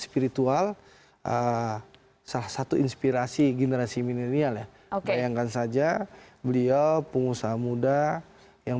spiritual salah satu inspirasi generasi milenial ya bayangkan saja beliau pengusaha muda yang